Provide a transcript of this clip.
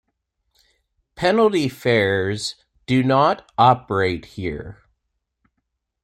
Penalty Fares do not operate here.